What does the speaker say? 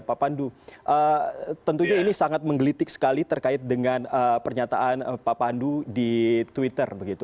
pak pandu tentunya ini sangat menggelitik sekali terkait dengan pernyataan pak pandu di twitter